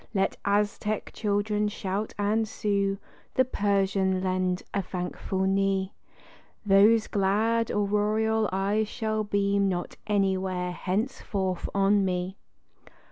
Let Aztec children shout and sue, the Persian lend a thankful knee: Those glad auroral eyes shall beam not anywhere henceforth on me.